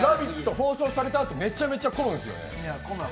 放送されたあとめちゃくちゃ混むんですよ。